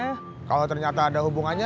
sekarang mas saya yakin gak akan ada hubungannya